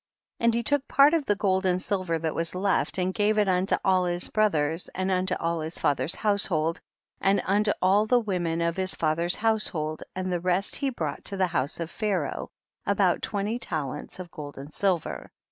32. And he took part of the gold and silver that was left, and gave it unto all his brothers and unto all his father's household, and unto all the women of his father's household, and the rest he brought to the house of Pharaoh, about twenty talents of gold and silver.